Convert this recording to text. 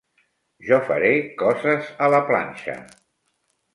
Jo faré coses a la planxa.